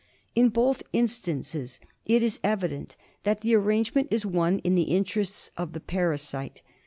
In both instances it is evident that the arrangement is one in the interests of the parasite.